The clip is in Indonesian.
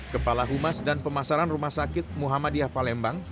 kepala humas dan pemasaran rumah sakit muhammadiyah palembang